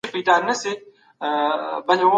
سفیران څنګه د روغتیا حق باوري کوي؟